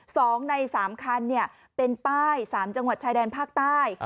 สองในสามคันเนี่ยเป็นป้ายสามจังหวัดชายแดนภาคใต้